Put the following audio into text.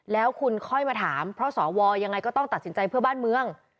แล้วคุณค่อยมาถามเพราะสวยังไงก็ต้องตัดสินใจเพื่อบ้านเมือง